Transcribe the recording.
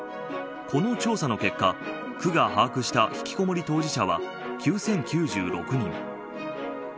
この調査の結果区が把握したひきこもり当事者は９０９６人。